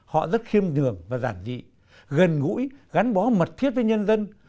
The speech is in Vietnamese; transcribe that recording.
họ rất khiêm thường và giản dị gần ngũi gắn bó mật thiết với nhân dân